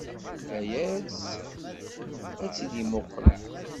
Layes ad tt-id-ittemuqul.